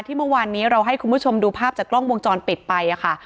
เมื่อวานนี้เราให้คุณผู้ชมดูภาพจากกล้องวงจรปิดไปค่ะ